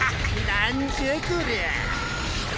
なんじゃこりゃ！